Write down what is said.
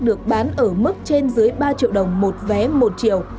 được bán ở mức trên dưới ba triệu đồng một vé một chiều